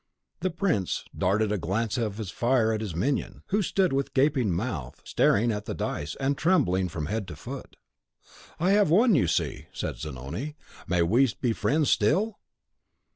The prince darted a glance of fire at his minion, who stood with gaping mouth, staring at the dice, and trembling from head to foot. "I have won, you see," said Zanoni; "may we be friends still?"